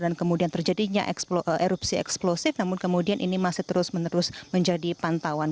dan kemudian terjadinya erupsi eksplosif namun kemudian ini masih terus menjadi pantauan